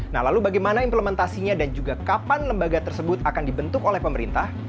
nah lalu bagaimana implementasinya dan juga kapan lembaga tersebut akan dibentuk oleh pemerintah